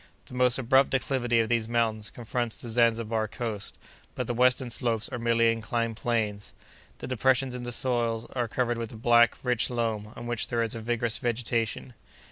The most abrupt declivity of these mountains confronts the Zanzibar coast, but the western slopes are merely inclined planes. The depressions in the soil are covered with a black, rich loam, on which there is a vigorous vegetation.